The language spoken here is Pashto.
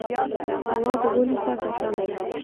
تواب غولي ته کتل….